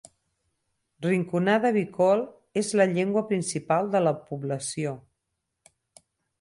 Rinconada Bikol és la llengua principal de la població.